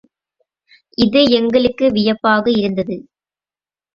இது எங்களுக்கு வியப்பாக இருந்தது.